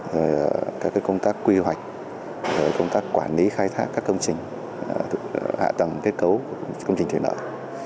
rồi các công tác quy hoạch rồi công tác quản lý khai thác các công trình hạ tầng kết cấu công trình thủy lợi